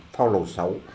phao lầu sáu